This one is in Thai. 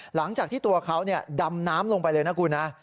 หลังจากที่ตัวเขาดำน้ำลงไปเลยนะคุณนะ